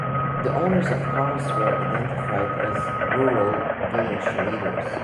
The owners of cars were identified as rural village leaders.